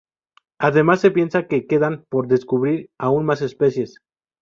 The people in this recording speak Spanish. Además se piensa que quedan por descubrí aún más especies.